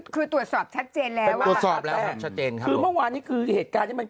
คือตรวจสอบชัดเจนแล้วค่ะคือเมื่องวานนี่เหตุการณ์นี้